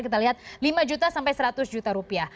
kita lihat lima juta sampai seratus juta rupiah